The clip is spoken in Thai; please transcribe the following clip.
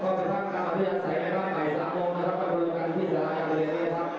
น้องน้องจะพูดหนึ่งนะครับร่างกายสูงรุ่นเสียงแรงนะครับ